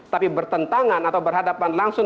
tapi bertentangan atau berhadapan langsung